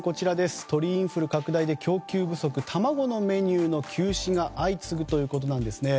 鳥インフル拡大で供給不足、卵のメニューの休止が相次ぐということです。